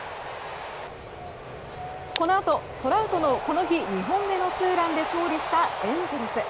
このあとトラウトのこの日２本目のツーランで勝利したエンゼルス。